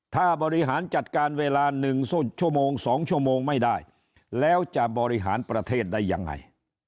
ถ้าบริหารจัดการเวลา๑ชั่วโมง๒ชั่วโมงไม่ได้แล้วจะบริหารประเทศได้ยังไง